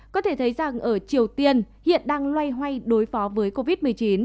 có thể thấy rằng ở triều tiên hiện đang loay hoay đối phó với covid một mươi chín